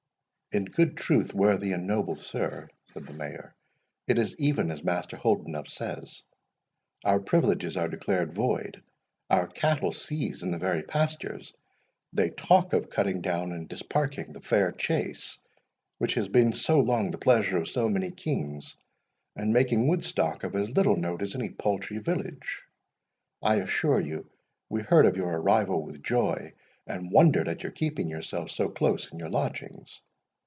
"In good truth, worthy and noble sir," said the Mayor, "it is even as Master Holdenough says—our privileges are declared void, our cattle seized in the very pastures. They talk of cutting down and disparking the fair Chase, which has been so long the pleasure of so many kings, and making Woodstock of as little note as any paltry village. I assure you we heard of your arrival with joy, and wondered at your keeping yourself so close in your lodgings.